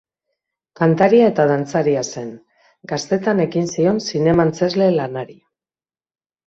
Kantaria eta dantzaria zen; gaztetan ekin zion zinema-antzezle lanari.